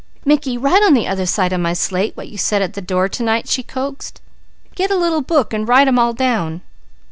"Mickey, write on the other side of my slate what you said at the door to night," she coaxed. "Get a little book an' write 'em all down.